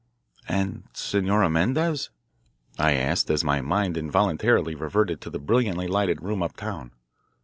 "And Senora Mendez?" I asked as my mind involuntarily reverted to the brilliantly lighted room up town.